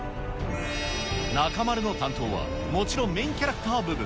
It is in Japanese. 中丸の担当は、もちろんメインキャラクター部分。